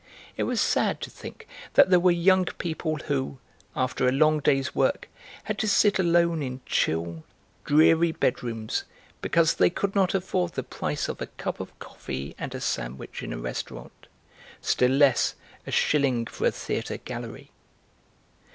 It was sad to think that there were young people who, after a long day's work, had to sit alone in chill, dreary bedrooms because they could not afford the price of a cup of coffee and a sandwich in a restaurant, still less a shilling for a theatre gallery.